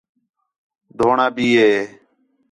ڈھوڑا بھی ہے